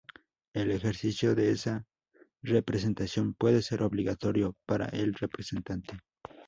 El ejercicio de esa representación puede ser obligatorio para el representante.